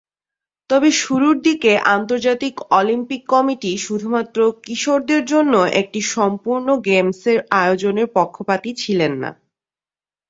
তবে শুরুর দিকে আন্তর্জাতিক অলিম্পিক কমিটি শুধুমাত্র কিশোরদের জন্য একটি সম্পূর্ণ গেমসের আয়োজনের পক্ষপাতী ছিল না।